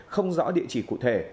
không rõ địa chỉ cụ thể